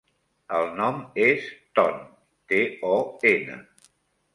El nom és Ton: te, o, ena.